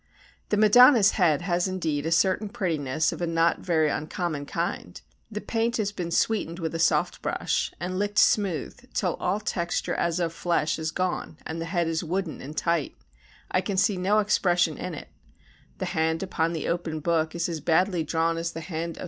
The Madonna's head has indeed a certain prettiness of a not very uncommon kind; the paint has been sweetened with a soft brush and licked smooth till all texture as of flesh is gone and the head is wooden and tight; I can see no expression in it; the hand upon the open book is as badly drawn as the hand of S.